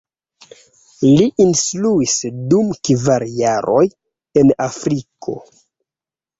Li instruis dum kvar jaroj en Afriko.